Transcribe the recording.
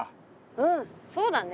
うんそうだね。